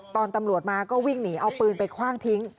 ตำรวจมาก็วิ่งหนีเอาปืนไปคว่างทิ้ง